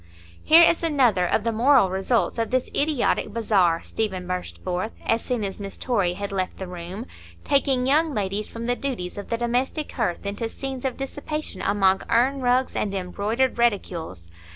"Here is another of the moral results of this idiotic bazaar," Stephen burst forth, as soon as Miss Torry had left the room,—"taking young ladies from the duties of the domestic hearth into scenes of dissipation among urn rugs and embroidered reticules!